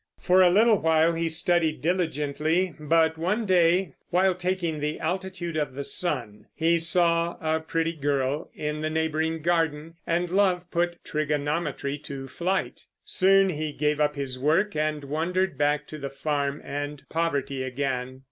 For a little while he studied diligently, but one day, while taking the altitude of the sun, he saw a pretty girl in the neighboring garden, and love put trigonometry to flight. Soon he gave up his work and wandered back to the farm and poverty again.